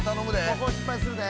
ここ失敗するで。